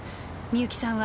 みゆきさん